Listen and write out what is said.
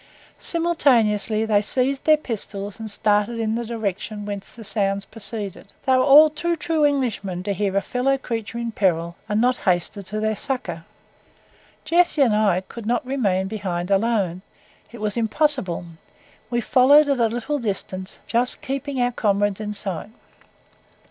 Simultaneously they seized their pistols, and started in the direction whence the sounds proceeded. They were all too true Englishmen to hear a fellow creature in peril and not hasten to their succour. Jessie and myself could not remain behind alone it was impossible; we followed at a little distance, just keeping our comrades in sight.